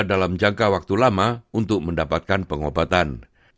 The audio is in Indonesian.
dalam jangka waktu lama untuk mendapatkan pengobatan